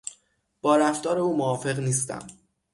با رفتار او موافق نیستم.